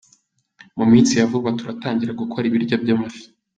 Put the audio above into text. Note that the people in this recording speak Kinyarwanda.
Mu minsi ya vuba turatangira gukora ibiryo by’amafi.